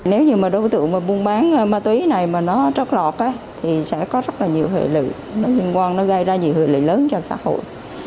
nếu như đối tượng mua bán ma túy này mà nó trót lọt thì sẽ có rất nhiều hệ lực nó gây ra nhiều hệ lực lớn cho xã hội